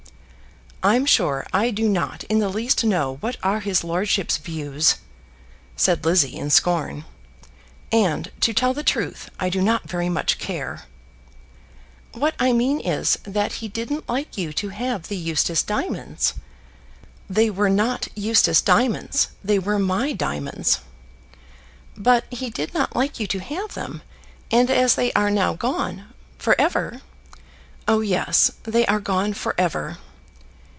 "I'm sure I do not in the least know what are his lordship's views," said Lizzie in scorn, "and, to tell the truth, I do not very much care." "What I mean is, that he didn't like you to have the Eustace diamonds " "They were not Eustace diamonds. They were my diamonds." "But he did not like you to have them; and as they are now gone for ever " "Oh, yes; they are gone for ever."